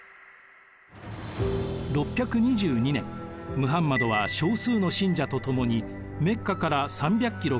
６２２年ムハンマドは少数の信者とともにメッカから３００キロ